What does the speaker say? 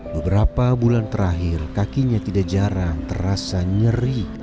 beberapa bulan terakhir kakinya tidak jarang terasa nyeri